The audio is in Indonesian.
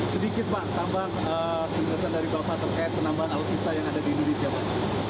sedikit pak tambah tunggasan dari bapak terkait penambahan alutsista yang ada di indonesia pak